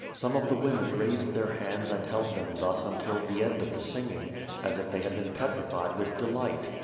Some of the women raised their hands and held them thus until the end of the singing, as if they had been petrified with delight.